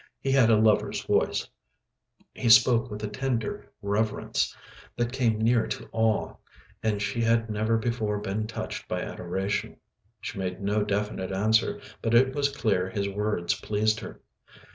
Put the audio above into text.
He had a lover's voice, he spoke with a tender reverence that came near to awe, and she had never before been touched by adoration. She made him no definite answer, but it was clear his words pleased her.